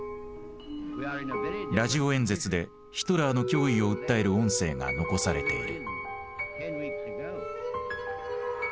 ラジオ演説でヒトラーの脅威を訴える音声が残されている。